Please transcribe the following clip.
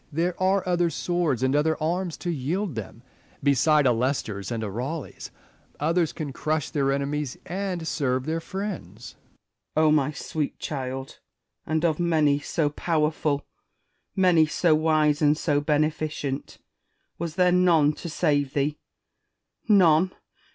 There are other swords, and other arms to yield them, beside a Leicester's and a Ptaleigh's. Others can crush their enemies, and serve their friends. Spenser. my sweet child ! And of many so powerful, I04 IMA GINAR V CON VERSA TIONS. many so wise and so beneficent, was there none to save thee ? None